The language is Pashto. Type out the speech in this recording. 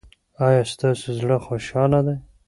ایا ستاسو زړه خوشحاله دی؟